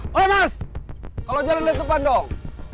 kalau jalan dari depan dong